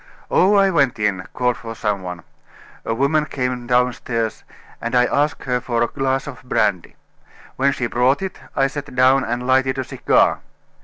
"Oh! I went in; called for some one. A woman came downstairs, and I asked her for a glass of brandy. When she brought it, I sat down and lighted a cigar.